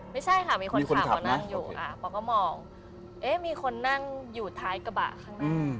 ไม่ใช่ค่ะมีคนขับเขานั่งอยู่เขาก็มองเอ๊ะมีคนนั่งอยู่ท้ายกระบะข้างหน้า